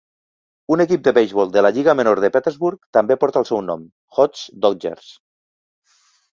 Un equip de beisbol de la lliga menor de Petersburg també porta el seu nom, Hodges Dodgers.